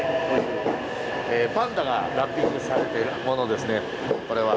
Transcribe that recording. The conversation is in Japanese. パンダがラッピングされてるものですねこれは。